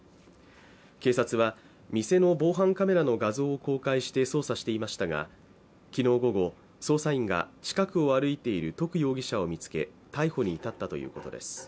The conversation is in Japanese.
警察は店の防犯カメラの画像を公開して捜査していましたが昨日午後、捜査員が近くを歩いている徳容疑者を見つけ逮捕に至ったということです。